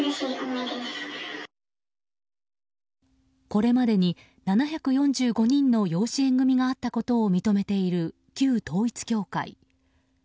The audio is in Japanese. これまでに７４５人の養子縁組があったことを認めている旧統一教会。